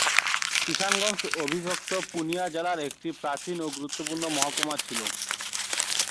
কিশানগঞ্জ অবিভক্ত পূর্ণিয়া জেলার একটি প্রাচীন ও গুরুত্বপূর্ণ মহকুমা ছিল।